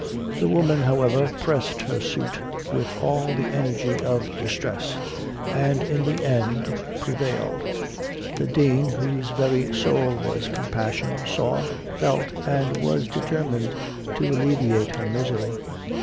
The woman however pressed her suit with all the energy of distress, and in the end prevailed. The dean, whose very soul was compassion, saw, felt, and was determined to alleviate her misery.